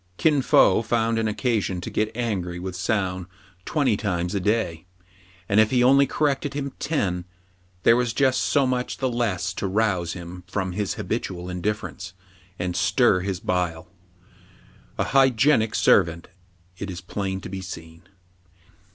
Kin Fo found an occasion to get angry with Soun twenty times a day ; and, if he only corrected 4iim ten, there was just so much the less to rouse him from his habitual indifference, and stir his bile. A hygienic servant, it is plain to be seen.